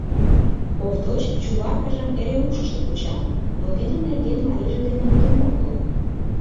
Овдоч Чуваркажым эре ушышто куча, но тидын нерген марийже дене мутым ок лук.